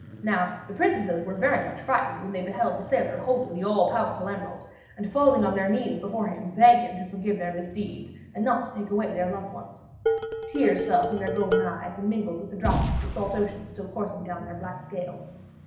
Now, the princesses were very much frightened when they beheld the sailor holding the all powerful emerald, and falling on their knees before him, begged him to forgive their misdeeds, and not to take away their loved ones. Tears fell from their golden eyes, and mingled with the drops of the salt ocean still coursing down their black scales.